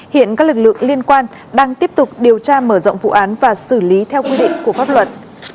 hiện các lực lượng liên quan đang tiếp tục điều tra mở rộng vụ án và xử lý theo quy định của pháp luật